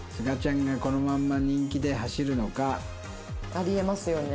あり得ますよね。